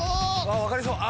分かりそう！